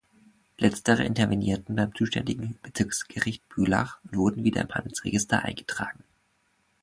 Letztere intervenierten beim zuständigen Bezirksgericht Bülach und wurden wieder im Handelsregister eingetragen.